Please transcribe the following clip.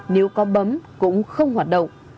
nếu có bấm cũng không hoạt động